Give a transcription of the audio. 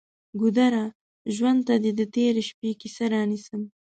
ګودره! ژوند ته دې د تیرې شپې کیسې رانیسم